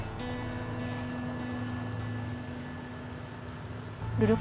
dik diknya udah dateng